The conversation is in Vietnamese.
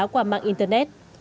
qua mạng internet